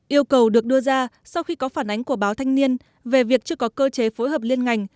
yêu cầu được đưa ra sau khi có phản ánh của báo thanh niên về việc chưa có cơ chế phối hợp liên ngành